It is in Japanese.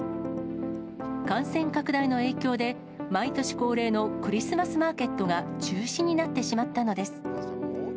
感染拡大の影響で、毎年恒例のクリスマスマーケットが中止になってしまったのです。